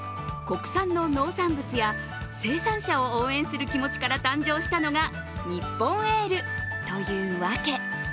国産の農産物や生産者を応援する気持ちから誕生したのがニッポンエールというわけ。